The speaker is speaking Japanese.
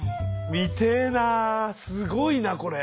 見てえなすごいなこれ。